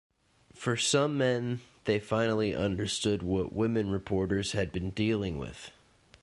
For some men they finally understood what women reporters had been dealing with.